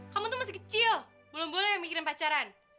kamu tuh masih kecil belum boleh yang mikirin pacaran